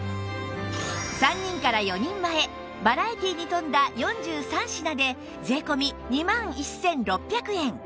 ３人から４人前バラエティーに富んだ４３品で税込２万１６００円